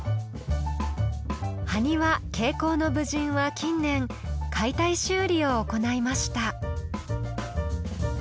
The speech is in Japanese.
「埴輪挂甲の武人」は近年解体修理を行いました。